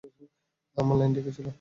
আমার লাইনটি কী ছিল?